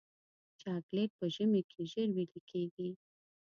چاکلېټ په ژبه کې ژر ویلې کېږي.